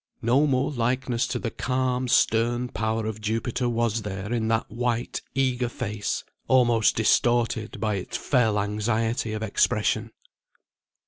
No more likeness to the calm stern power of Jupiter was there in that white eager face, almost distorted by its fell anxiety of expression.